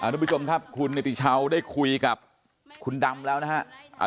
ทุกผู้ชมครับคุณเนติชาวได้คุยกับคุณดำแล้วนะฮะ